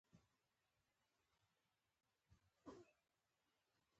پرې ورننوتم.